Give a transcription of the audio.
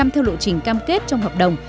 theo lộ trình cam kết trong hợp đồng